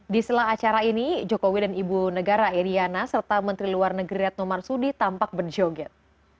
di sela acara ini jokowi dan ibu negara iryana serta menteri luar negeri retno marsudi tampak berjoget